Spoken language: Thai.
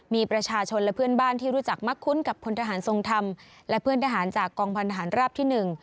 มีประชาชนและเพื่อนบ้านที่รู้จักมักคุ้นกับพลทหารทรงธรรมและเพื่อนทหารจากกองพันธหารราบที่๑